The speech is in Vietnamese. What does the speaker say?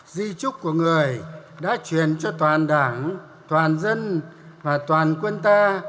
di trúc của người đã truyền cho toàn đảng toàn dân và toàn quân ta